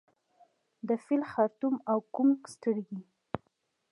د فیل خړتوم او کونګ سترګي